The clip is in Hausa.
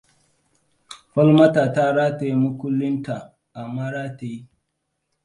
Falmata ta rataye makullinta a maratayi.